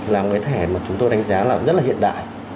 là một cái thẻ mà chúng tôi đánh giá là rất là hiện đại